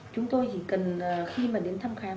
chúng tôi chỉ cần khi mà đến thăm khám